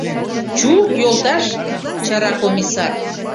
— Чу, йолташ, — чара комиссар.